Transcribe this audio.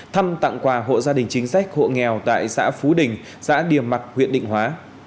thăm tặng quà hộ gia đình chính sách hộ nghèo tại xã phú đình xã điểm mặc huyện định hóa